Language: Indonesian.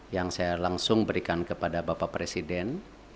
yang saya langsung berikan kepada bapak presiden